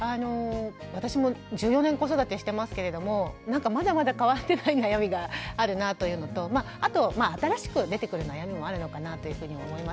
私も１４年子育てしてますけれどもなんかまだまだ変わってない悩みがあるなというのとあと新しく出てくる悩みもあるのかなというふうにも思いますね。